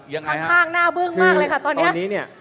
ค่อนข้างหน้าเบื้องมากเลยค่ะตอนนี้